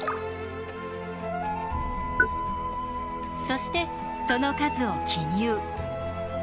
そしてその数を記入。